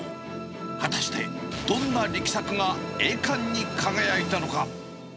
果たしてどんな力作が栄冠に輝いたのか。